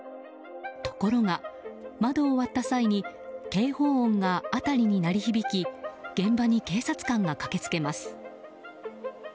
ところが、窓を割った際に警報音が辺りに鳴り響き現場に警察官が駆け付けます。